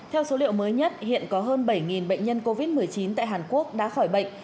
theo số liệu mới nhất hiện có hơn bảy bệnh nhân covid một mươi chín tại hàn quốc đã khỏi bệnh